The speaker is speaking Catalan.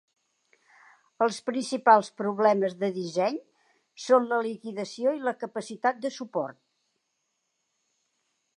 Els principals problemes de disseny són la liquidació i la capacitat de suport.